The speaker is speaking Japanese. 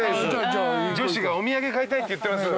女子がお土産買いたいって言ってます。